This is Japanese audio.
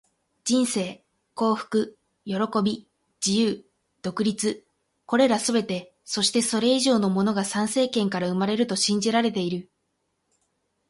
人生、幸福、喜び、自由、独立――これらすべて、そしてそれ以上のものが参政権から生まれると信じられている。